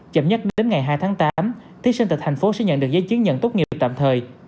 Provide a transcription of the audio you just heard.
chậm nhất đến ngày hai tháng tám thí sinh tại thành phố sẽ nhận được giấy chứng nhận tốt nghiệp tạm thời